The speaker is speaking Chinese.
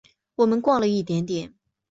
我们逛了一点点